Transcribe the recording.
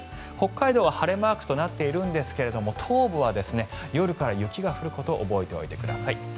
北海道は晴れマークとなっているんですが東部は夜から雪が降ることを覚えておいてください。